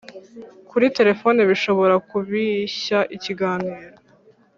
kuri telefone bishobora kubishya ikiganiro